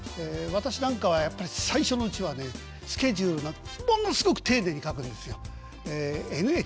私なんかはやっぱり最初のうちはねスケジュールがものすごく丁寧に書くんですよ。